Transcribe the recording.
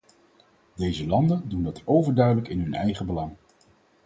Deze landen doen dat overduidelijk in hun eigen belang.